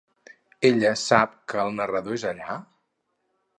Ella sap que el narrador és allà?